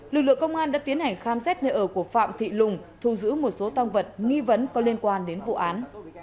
lực lượng công an đã tiến hành khám xét nơi ở của phạm thị lùng thu giữ một số tăng vật nghi vấn có liên quan đến vụ án